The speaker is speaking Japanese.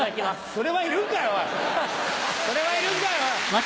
それはいるのかよ。